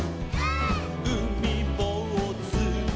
「うみぼうず」「」